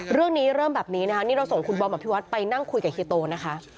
เรื่องนี้เริ่มแบบนี้นะคะนี่เราส่งคุณบอมอภิวัตไปนั่งคุยกับเฮียโตนะคะ